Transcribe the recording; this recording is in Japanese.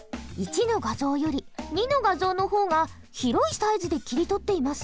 １の画像より２の画像の方が広いサイズで切り取っています。